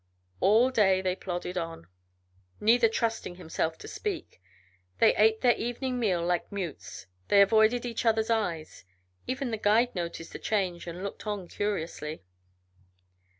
All day they plodded on, neither trusting himself to speak. They ate their evening meal like mutes; they avoided each other's eyes. Even the guide noticed the change and looked on curiously.